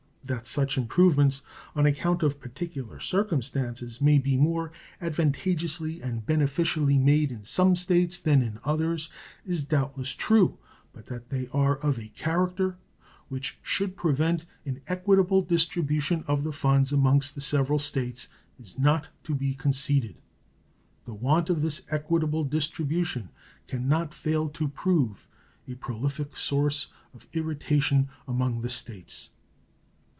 That such improvements, on account of particular circumstances, may be more advantageously and beneficially made in some States than in others is doubtless true, but that they are of a character which should prevent an equitable distribution of the funds amongst the several States is not to be conceded. The want of this equitable distribution can not fail to prove a prolific source of irritation among the States.